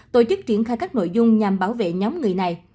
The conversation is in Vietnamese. tổ chức triển khai các nội dung nhằm bảo vệ nhóm người này